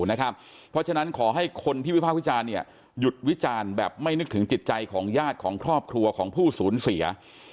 เพราะฉะนั้นขอให้คนที่วิภาควิจารณ์หยุดวิจารณ์แบบไม่นึกถึงจิตใจของญาติของครอบครัวของผู้สูญเสีย